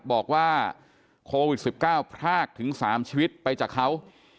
บอกว่าโควิด๑๙พรากถึง๓ชีวิตไปจากเขา